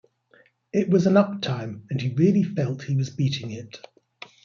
It was an up time, and he really felt he was beating it.